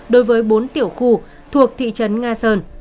đối với bốn tiểu khu thuộc thị trấn nga sơn